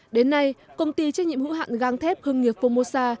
đến nay công ty trách nhiệm hữu hạn gang thép hưng nghiệp formosa